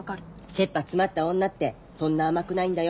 せっぱ詰まった女ってそんな甘くないんだよ。